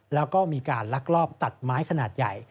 แล้วก็มีการลักลอบตัดไม้ขนาดใหญ่